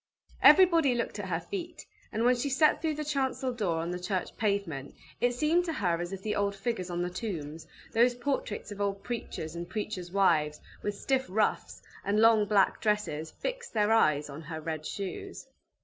Everybody looked at her feet; and when she stepped through the chancel door on the church pavement, it seemed to her as if the old figures on the tombs, those portraits of old preachers and preachers' wives, with stiff ruffs, and long black dresses, fixed their eyes on her red shoes.